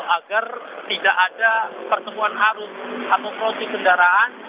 agar tidak ada pertumbuhan arus atau klotik kendaraan